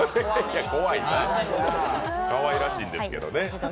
かわいらしいんですけどね。